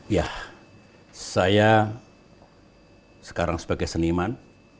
ya saya sekarang sebagai seniman